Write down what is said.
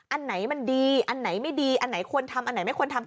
อันไหนมันดีอันไหนไม่ดีอันไหนควรทำอันไหนไม่ควรทำ